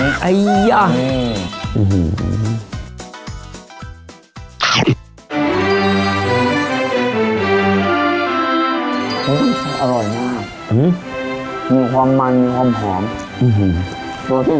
อืมอร่อยมากอืมมีความมันมีความหอมอื้อหืม